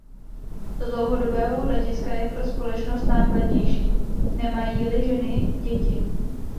Z dlouhodobého hlediska je pro společnost nákladnější, nemají-li ženy děti.